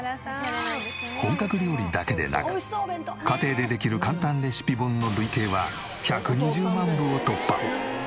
本格料理だけでなく家庭でできる簡単レシピ本の累計は１２０万部を突破。